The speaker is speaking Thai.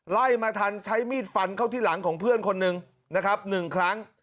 ไล่มาทันใช้มีดฟันเข้าที่หลังของเพื่อนคนหนึ่งนะครับ๑ครั้ง